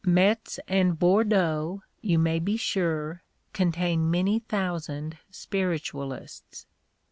Metz and Bordeaux, you may be sure, contain many thousand Spiritu alists.